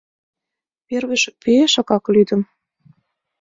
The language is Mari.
«Первойжо пешакак лӱдым.